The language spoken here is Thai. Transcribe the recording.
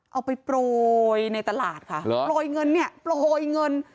เอาไปโปรยในตลาดค่ะเหรอโปรยเงินเนี่ยโปรยเงิน